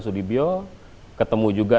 sudibyo ketemu juga